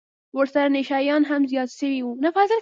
ورسره نشه يان هم زيات سوي وو.